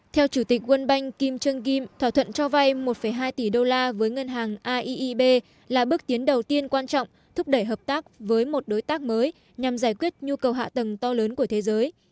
theo chủ tịch world bank kim jong kim thỏa thuận cho vay một hai tỷ đô la với ngân hàng aib là bước tiến đầu tiên quan trọng thúc đẩy hợp tác với một đối tác mới nhằm giải quyết nhu cầu hạ tầng to lớn của thế giới